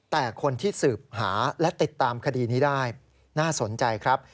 แต่คนที่สืบหาและติดตามคดีนี้ได้น่าสนใจครับ